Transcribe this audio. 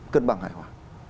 cân bằng hải hóa